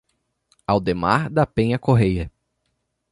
Aldemar da Penha Correia